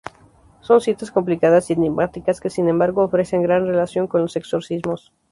Son citas complicadas y enigmáticas, que sin embargo ofrecen gran relación con los exorcismos.